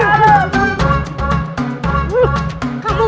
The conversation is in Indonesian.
ini bukan saya itu atu